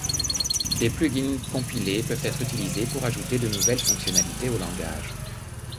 Des plugins compilés peuvent être utilisés pour ajouter de nouvelles fonctionnalités au langage.